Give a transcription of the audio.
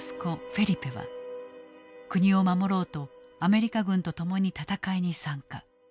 フェリペは国を守ろうとアメリカ軍と共に戦いに参加。